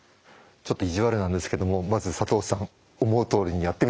ちょっと意地悪なんですけどもまず佐藤さん思うとおりにやってみてください。